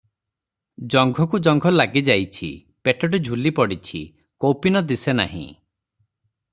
ଜଙ୍ଘକୁ ଜଙ୍ଘ ଲାଗିଯାଇଛି, ପେଟଟି ଝୁଲି ପଡିଛି, କୌପୀନ ଦିଶେ ନାହିଁ ।